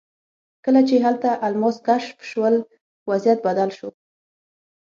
کله چې هلته الماس کشف شول وضعیت بدل شو.